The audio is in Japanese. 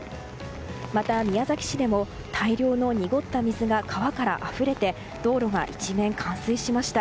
また、宮崎市でも大量の濁った水が川からあふれて道路が一面冠水しました。